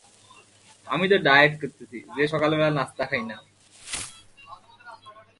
এরপূর্বে শ্রীলঙ্কা জাতীয় ক্রিকেট দলের প্রধান কোচের দায়িত্ব থেকে পদত্যাগের পর ইংল্যান্ডের সহকারী কোচের দায়িত্ব পালন করেছিলেন।